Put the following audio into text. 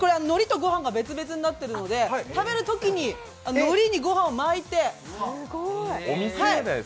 のりと御飯が別々になっているので、食べるときにのりに御飯を巻いて。